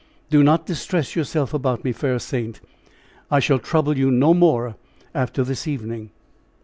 "Do not distress yourself about me, fair saint! I shall trouble you no more after this evening!"